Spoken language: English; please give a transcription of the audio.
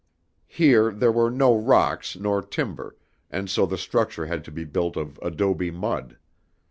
Here there were no rocks nor timber, and so the structure had to be built of adobe mud.